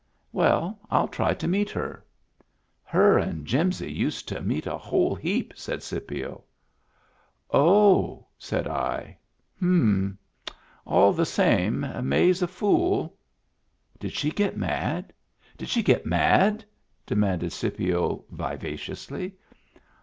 " Well, I'll try to meet her." " Her and Jimsy used to meet a whole heap," said Scipio. " Oh !" said I. " H'm ! All the same May's a fool." "Did she get mad? Did she get mad? "de manded Scipio, vivaciously.